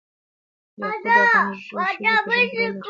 یاقوت د افغان ښځو په ژوند کې رول لري.